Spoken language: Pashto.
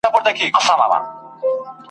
دواړي سترګي یې تړلي وې روان وو `